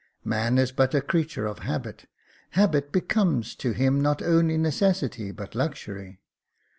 Man is but a creature of habit : habit becomes to him not only necessity but luxury.